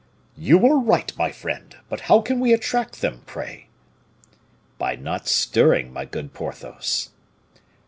"You are right, my friend, but how can we attract them, pray?" "By not stirring, my good Porthos."